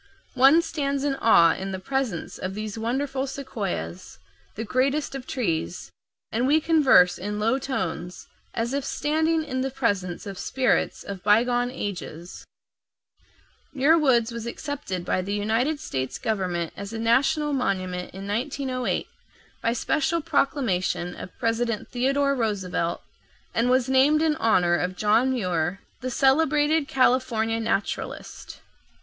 One stands in awe in the presence of these wonderful sequoias, the greatest of trees, and we converse in low tones, as if standing in the presence of spirits of bygone ages. [Illustration: AMONG THE REDWOODS] Muir Woods was accepted by the United States government as a national monument in 1908, by special proclamation of President Theodore Roosevelt, and was named in honor of John Muir, the celebrated California naturalist.